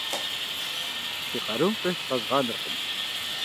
Си къарум къихь къэзгъанэркъым.